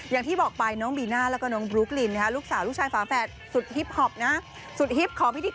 อย่างที่บอกไปน้องบีน่าแล้วก็น้องบรูกลิมน์ลูกสาวลูกชายฝาแฟดสุดฮิพพ